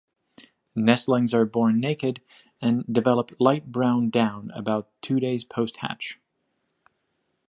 Nestlings are born naked and develop light brown down about two days post hatch.